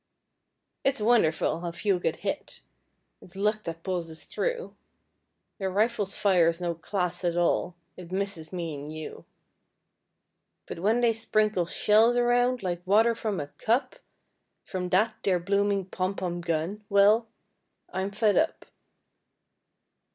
It's wonderful how few get hit, it's luck that pulls us through; Their rifle fire's no class at all, it misses me and you; But when they sprinkle shells around like water from a cup From that there blooming pom pom gun well, I'm fed up.